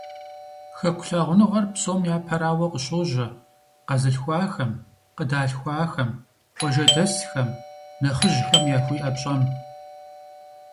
Хэку лъагъуныгъэр, псом япэрауэ, къыщожьэ къэзылъхуахэм, къыдалъхуахэм, къуажэдэсхэм, нэхъыжьхэм яхуиӏэ пщӏэм.